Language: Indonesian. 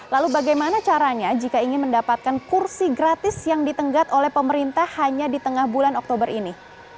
lalu bagaimana caranya jika ingin mendapatkan kursi gratis yang ditenggat oleh pemerintah hanya di tengah bulan oktober ini